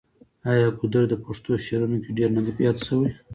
آیا ګودر د پښتو شعرونو کې ډیر نه دی یاد شوی؟